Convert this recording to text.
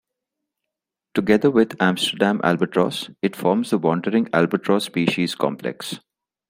Together with the Amsterdam albatross, it forms the wandering albatross species complex.